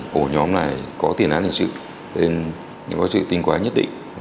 của nhóm này có tiền án hình sự nên có sự tinh quái nhất định